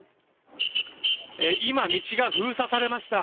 今、道が封鎖されました。